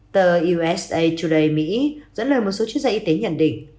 tờ usa today dẫn lời một số chuyên gia y tế nhận định